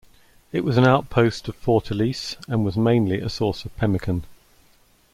It was an outpost of Fort Ellice and was mainly a source of pemmican.